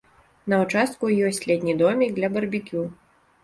На ўчастку ёсць летні домік для барбекю.